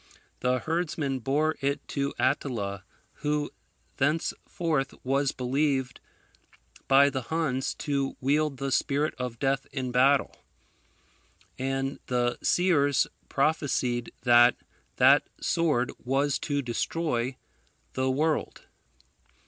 The herdsman bore it to Attila, who thenceforth was believed by the Huns to wield the Spirit of Death in battle; and the seers prophesied that that sword was to destroy the world.